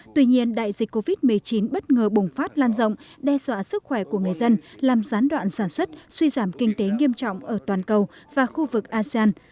tuy nhiên đại dịch covid một mươi chín bất ngờ bùng phát lan rộng đe dọa sức khỏe của người dân làm gián đoạn sản xuất suy giảm kinh tế nghiêm trọng ở toàn cầu và khu vực asean